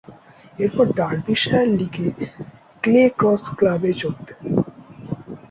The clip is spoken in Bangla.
এরপর ডার্বিশায়ার লীগে ক্লে ক্রস ক্লাবে যোগ দেন।